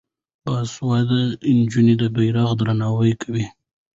باسواده نجونې د بیرغ درناوی کوي.